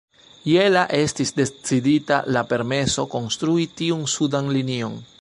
Je la estis decidita la permeso konstrui tiun sudan linion.